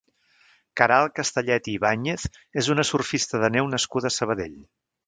Queralt Castellet i Ibáñez és una surfista de neu nascuda a Sabadell.